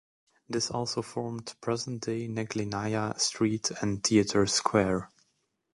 This also formed present-day Neglinnaya Street and Theatre Square.